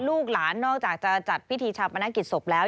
ลูกหลานนอกจากจะจัดพิธีชาปนกิจศพแล้ว